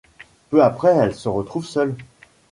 Peu après, elle se retrouve seule.